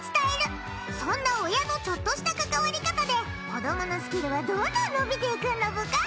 そんな親のちょっとした関わり方で子供のスキルはどんどん伸びていくんだブカ。